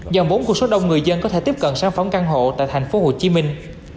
dòng vốn của số đông người dân có thể tiếp cận sản phẩm căn hộ tại thành phố hồ chí minh